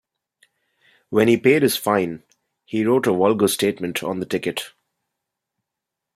When he paid his fine, he wrote a vulgar statement on the ticket.